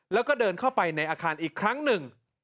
แล้วก็เดินเข้าไปในอาคารอีกครั้งหนึ่ง